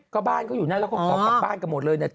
ก็บ้านก็อยู่นั่นแล้วก็กลับบ้านกันหมดเลยนะ